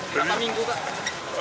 berapa minggu kak